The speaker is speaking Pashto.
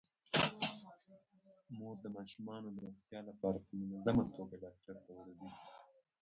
مور د ماشومانو د روغتیا لپاره په منظمه توګه ډاکټر ته ورځي.